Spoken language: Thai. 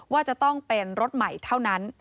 ว่าจะต้องเป็นรถใหม่เท่านั้น